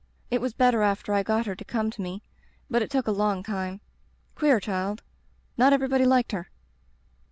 It was better after I got her to come to me — ^but it took a long time. Queer child. Not everybody Hked her.